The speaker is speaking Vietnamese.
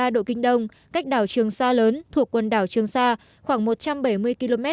một trăm một mươi ba ba độ kinh đông cách đảo trường sa lớn thuộc quần đảo trường sa khoảng một trăm bảy mươi km